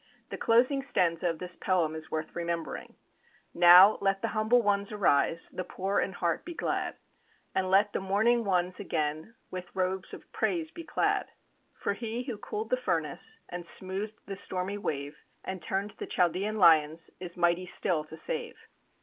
The closing stanza of this poem is worth remembering: "Now, let the humble ones arise, The poor in heart be glad, And let the mourning ones again With robes of praise be clad; For He who cooled the furnace, And smoothed the stormy wave, And turned the Chaldean lions, Is mighty still to save."